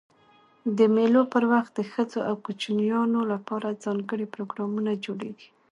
د مېلو پر وخت د ښځو او کوچنيانو له پاره ځانګړي پروګرامونه جوړېږي.